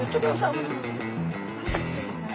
はい失礼します。